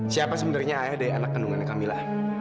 siapa sebenarnya ayah dari anak kendungan kamila